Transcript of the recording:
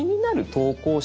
投稿者